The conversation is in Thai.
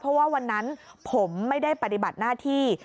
เพราะว่าวันนั้นผมไม่ได้ปฏิบัติหน้าที่